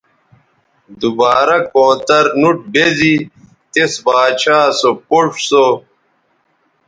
دوبارہ کونتر نوٹ بیزی تس باچھا سو پوڇ سو